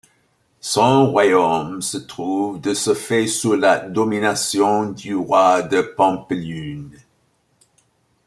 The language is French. Son royaume se trouve de ce fait sous la domination du roi de Pampelune.